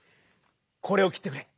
「これ」をきってくれ。